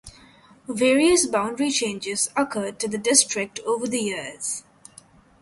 Various boundary changes occurred to the district over the years.